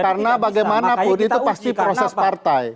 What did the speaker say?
karena bagaimana budi itu pasti proses partai